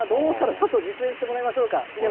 ちょっと実演してもらいましょうか。